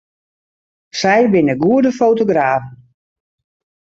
Sy binne goede fotografen.